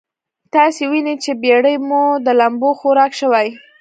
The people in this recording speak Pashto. تاسې وينئ چې بېړۍ مو د لمبو خوراک شوې.